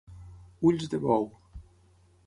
Ulls de bou.